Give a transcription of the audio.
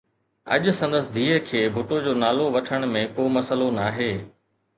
اڄ سندس ڌيءَ کي ڀٽو جو نالو وٺڻ ۾ ڪو مسئلو ناهي